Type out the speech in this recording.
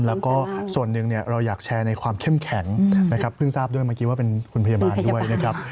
แล้วก็ส่วนหนึ่งเราอยากแชร์ในความเข้มแข็งนะครับเพิ่งทราบด้วยเมื่อกี้ว่าเป็นคุณพยาบาลด้วยนะครับ